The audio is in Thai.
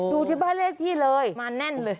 ดูที่บ้านเลขที่เลยมาแน่นเลย